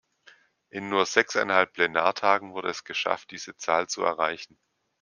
In nur sechseinhalb Plenartagen wurde es geschafft, diese Zahl zu erreichen.